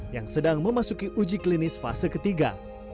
yang sedang memasuki uji klinis fase ketiga